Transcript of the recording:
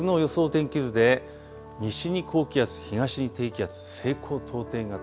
天気図で西に高気圧、東に低気圧、西高東低型。